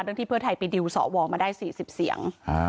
ที่เพื่อไทยไปดิวสวมาได้๔๐เสียง